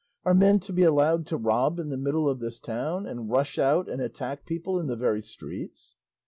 Are men to be allowed to rob in the middle of this town, and rush out and attack people in the very streets?"